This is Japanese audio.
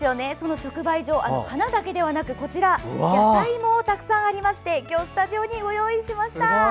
直売所では花だけではなく野菜もたくさんありましてスタジオにご用意しました。